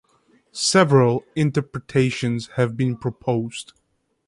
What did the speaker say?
Several interpretations have been proposed.